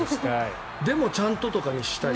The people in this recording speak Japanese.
でもちゃんととかにしたい。